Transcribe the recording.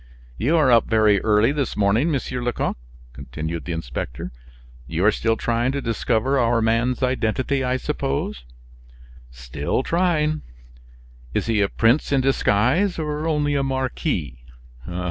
"You are up very early this morning, Monsieur Lecoq," continued the inspector; "you are still trying to discover our man's identity, I suppose?" "Still trying." "Is he a prince in disguise, or only a marquis?"